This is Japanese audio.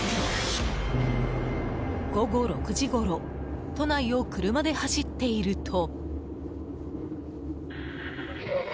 午後６時ごろ都内を車で走っていると。